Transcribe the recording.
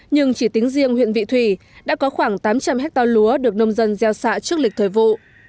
nhưng chỉ tính riêng huyện vị thủy đã có khoảng tám trăm linh hectare lúa được nông dân gieo xạ trước lịch thời vụ